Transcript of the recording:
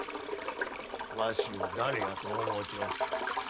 わしを誰やと思うちゅう？